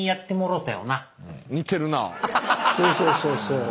そうそうそうそう。